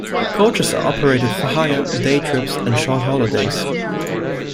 Coaches are operated for hire, day trips and short holidays.